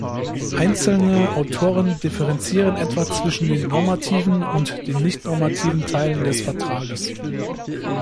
Einzelne Autoren differenzieren etwa zwischen den normativen und den nicht-normativen Teilen des Vertrages.